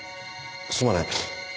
すまない。